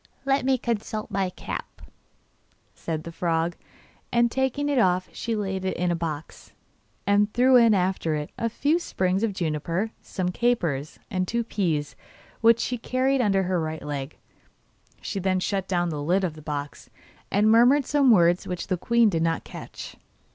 'Let me consult my cap,' said the frog; and taking it off she laid it in a box, and threw in after it a few sprigs of juniper, some capers, and two peas, which she carried under her right leg; she then shut down the lid of the box, and murmured some words which the queen did not catch.